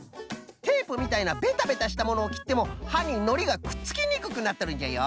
テープみたいなベタベタしたものをきってもはにのりがくっつきにくくなっとるんじゃよ。